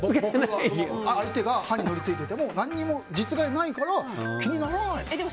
相手が歯にのりがついていても実害がないから気にならないです。